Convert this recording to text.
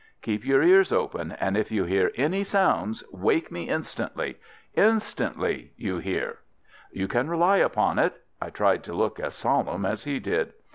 "Keep your ears open, and if you hear any sounds wake me instantly—instantly, you hear?" "You can rely upon it." I tried to look as solemn as he did.